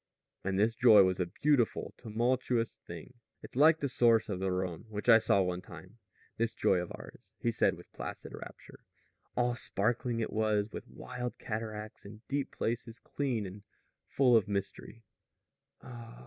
And this joy was a beautiful, tumultuous thing. "It's like the source of the Rhone, which I saw one time this joy of ours," he said with placid rapture. "All sparkling it was, and wild cataracts, and deep places, clean and full of mystery."